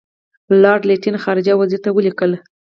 لارډ لیټن خارجه وزیر ته ولیکل.